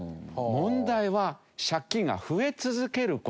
問題は借金が増え続ける事。